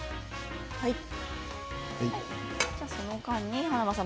その間に華丸さん